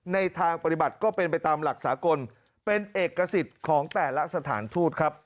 ในทางปฏิบัติก็เป็นไปตามหลักสากลเป็นเอกสิทธิ์ของแต่ละสถานทูตครับ